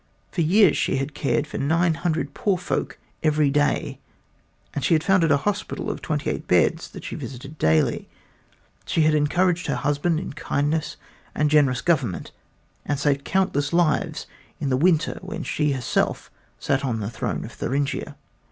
For years she had cared for nine hundred poor folk every day, and she had founded a hospital of twenty eight beds that she visited daily. She had encouraged her husband in kindness and generous government, and she saved countless lives in the winter when she herself sat on the throne of Thuringia.